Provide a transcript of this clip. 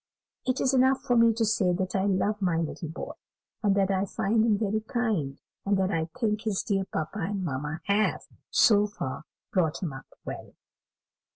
It is enough for me to say that I love my little boy, and that I find him very kind, and that I think his dear papa and mamma have, so far, brought him up well."